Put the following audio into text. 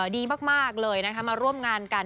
ดีมากเลยนะคะมาร่วมงานกัน